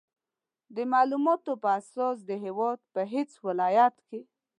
د مالوماتو په اساس د هېواد په هېڅ ولایت کې